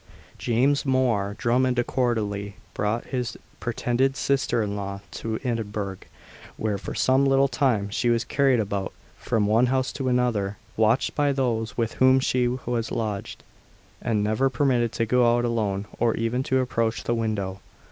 James Mhor Drummond accordingly brought his pretended sister in law to Edinburgh, where, for some little time, she was carried about from one house to another, watched by those with whom she was lodged, and never permitted to go out alone, or even to approach the window.